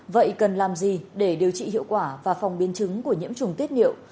vậy cần làm gì để điều trị hiệu quả và phòng biến chứng của nhiễm trùng tiết nhiệu